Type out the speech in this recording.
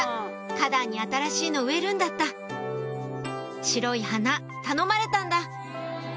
花壇に新しいの植えるんだった白い花頼まれたんだ！